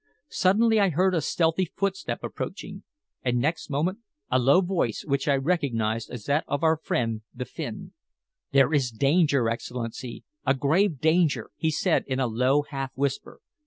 Suddenly I heard a stealthy footstep approaching, and next moment a low voice spoke which I recognized as that of our friend, the Finn. "There is danger, Excellency a grave danger!" he said in a low half whisper.